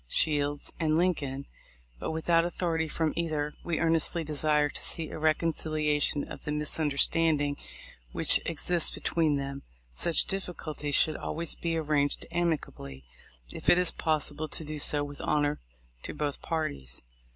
Shields and Lincoln, but with out authority from either, we earnestly desire to see a reconciliation of the misunderstanding which exists be tween them. Such difficulties should always be arranged amicably, if it is possible to do so with honor to both parties.